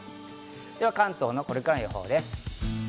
では関東のこれからの予報です。